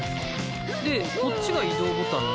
でこっちが移動ボタンで。